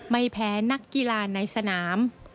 ไม่แพ้นักกีฬาในสนาม